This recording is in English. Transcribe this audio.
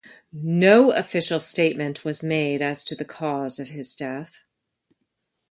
No official statement was made as to the cause of his death.